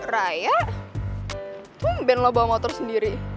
raya tumben lo bawa motor sendiri